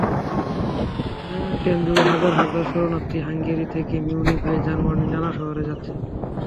ট্রেনযোগে হাজার হাজার শরণার্থী হাঙ্গেরি থেকে মিউনিখ হয়ে জার্মানির নানা শহরে যাচ্ছে।